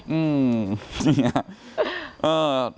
อืม